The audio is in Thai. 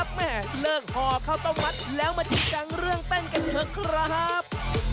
พล่อห์เขาต้องมัดแล้วมาจัดจังเรื่องแต่งกันเถอะคร้าาาบ